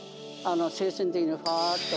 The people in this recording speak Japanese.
精神的なふわっと。